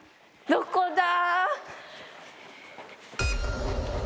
どこだ？